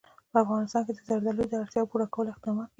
په افغانستان کې د زردالو د اړتیاوو پوره کولو اقدامات کېږي.